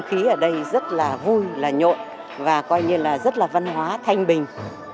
khí ở đây rất là vui là nhộn và coi như là rất là văn hóa thanh bình